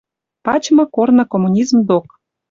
Пачмы корны коммунизм док.